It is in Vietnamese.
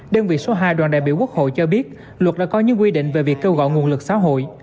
đơn vị số hai đoàn đại biểu quốc hội cho biết luật đã có những quy định về việc kêu gọi nguồn lực xã hội